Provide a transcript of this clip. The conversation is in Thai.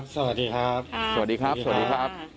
สวัสดีครับ